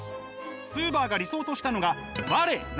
ブーバーが理想としたのが「我−汝」。